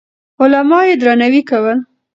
علما يې درناوي کول.